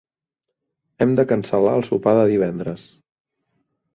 Hem de cancel·lar el sopar de divendres.